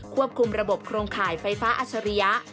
ควบคุมระบบโครงข่ายไฟฟ้าอัชริยะ